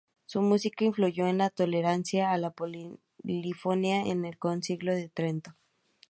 Su música influyó en la tolerancia a la polifonía en el Concilio de Trento.